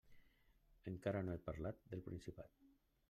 Encara no he parlat del principal.